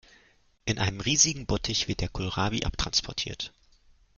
In einem riesigen Bottich wird der Kohlrabi abtransportiert.